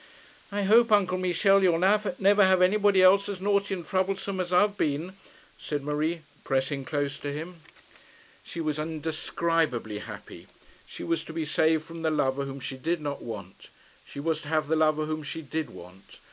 'I hope, Uncle Michel, you'll never have anybody else as naughty and troublesome as I have been,' said Marie, pressing close to him. She was indescribably happy. She was to be saved from the lover whom she did not want. She was to have the lover whom she did want.